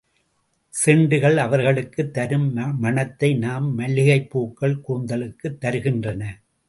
செண்டுகள் அவர்களுக்குத் தரும் மணத்தை நம் மல்லிகைப்பூக்கள் கூந்தலுக்குத் தருகின்றன.